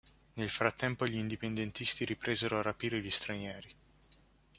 Nel frattempo gli indipendentisti ripresero a rapire gli stranieri.